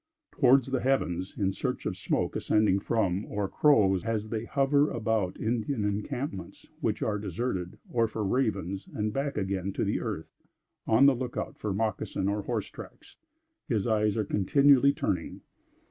Towards the heavens, in search of smoke ascending from, or crows, as they hover about Indian encampments which are deserted, or for ravens, and back again to the earth, on the look out for moccasin or horse tracks, his eyes are continually turning.